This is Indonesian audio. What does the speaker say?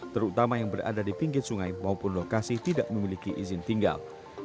terutama yang berada di pinggir sungai maupun lokasi tidak memiliki izin tinggal